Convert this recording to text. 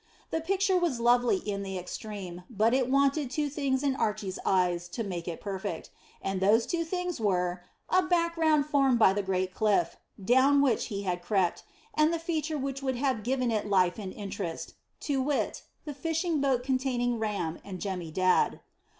The picture was lovely in the extreme, but it wanted two things in Archy's eyes to make it perfect; and those two things were a background formed by the great cliff, down which he had crept, and the feature which would have given it life and interest to wit, the fishing boat containing Ram and Jemmy Dadd.